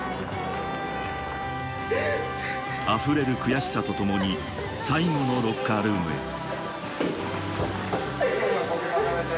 あふれる悔しさとともに最後のロッカールームへ。